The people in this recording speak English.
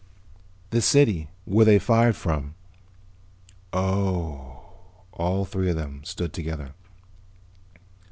"The city. Where they fired from." "Oh." All three of them stood together.